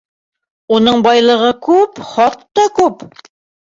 Уның байлығы күп, хатта күп.